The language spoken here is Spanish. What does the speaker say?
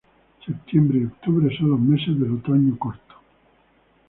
Septiembre y octubre son los meses del otoño corto.